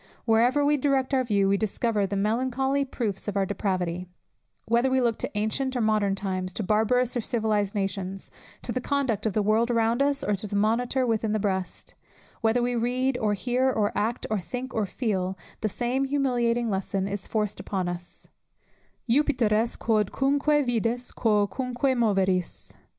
Wherever we direct our view, we discover the melancholy proofs of our depravity; whether we look to ancient or modern times, to barbarous or civilized nations, to the conduct of the world around us, or to the monitor within the breast; whether we read, or hear, or act, or think, or feel, the same humiliating lesson is forced upon us, Juppiter est quodcunque vides, quocunque moveris.